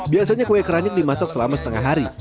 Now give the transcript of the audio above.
biasanya kue keramik dimasak selama setengah hari